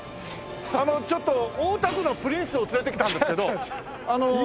あのちょっと大田区のプリンスを連れてきたんですけど。